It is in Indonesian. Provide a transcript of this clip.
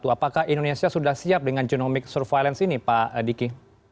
apakah indonesia sudah siap dengan genomic surveillance ini pak diki